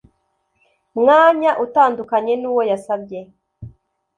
mwanya utandukanye n uwo yasabye